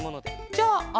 じゃああ